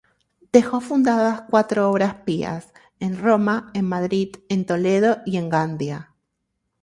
Dejó fundadas cuatro obras pías, en Roma, en Madrid, en Toledo y en Gandia.